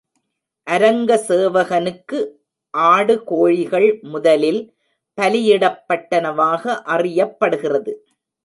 அரங்க சேவகனுக்கு ஆடு, கோழிகள் முதலில் பலியிடப்பட்டனவாக அறியப்படுகிறது.